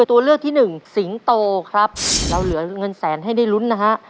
ตัวเลือกที่หนึ่งสิงโตครับเราเหลือเงินแสนให้ได้ลุ้นนะฮะ